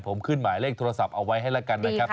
ผมขึ้นหมายเลขโทรศัพท์เอาไว้ให้แล้วกันนะครับ